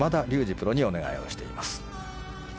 プロにお願いをしています。